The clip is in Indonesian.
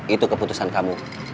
itu keputusan kamu